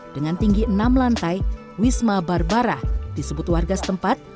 dengan tinggi enam lantai wisma barbara disebut warga setempat